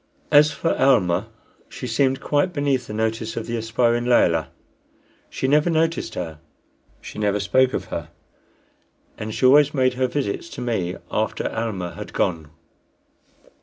As for Almah, she seemed quite beneath the notice of the aspiring Layelah. She never noticed her, she never spoke of her, and she always made her visits to me after Almah had gone.